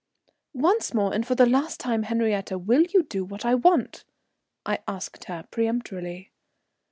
"Once more and for the last time, Henriette, will you do what I want?" I asked her peremptorily.